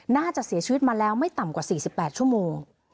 น่าจะเสียชีวิตมาแล้วไม่ต่ำกว่า๔๘ชั่วโมง